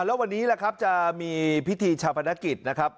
แล้ววันนี้จะมีพิธีชาวพนักกิจนะครับ